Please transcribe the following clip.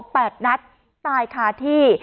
แปลกนัดตายค่ะที่